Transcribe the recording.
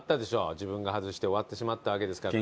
自分が外して終わってしまったわけですから。